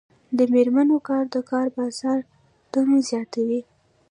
د میرمنو کار د کار بازار تنوع زیاتوي.